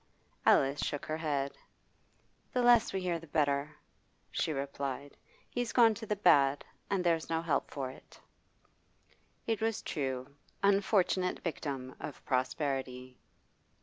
Alice shook her head. 'The less we hear the better,' she replied. 'He's gone to the bad, and there's no help for it.' It was true; unfortunate victim of prosperity.